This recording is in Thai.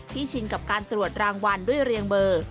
ชินกับการตรวจรางวัลด้วยเรียงเบอร์